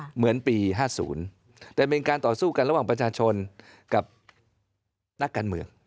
เหมือนปี๕๐แต่เป็นการต่อสู้กันระหว่างประชาชนกับนักการเมือง